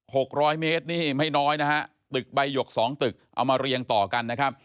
หกร้อยเมตรนี่ไม่น้อยนะฮะตึกใบหยกสองตึกเอามาเรียงต่อกันนะครับ